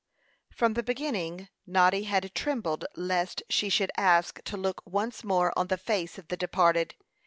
From the beginning, Noddy had trembled lest she should ask to look once more on the face of the departed.